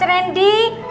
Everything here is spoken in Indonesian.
makasih ya mas rendy